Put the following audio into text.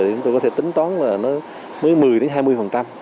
chúng tôi có thể tính toán là mới một mươi hai mươi